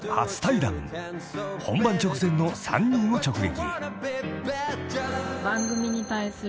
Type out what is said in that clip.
［本番直前の３人を直撃］